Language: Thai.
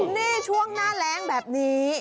นี่ช่วงหน้าแรงแบบนี้